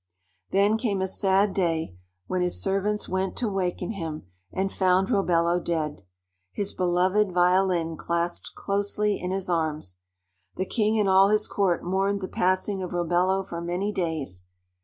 Then came a sad day when his servants went to waken him and found Robello dead, his beloved violin clasped closely in his arms. The king and all his court mourned the passing of Robello for many days.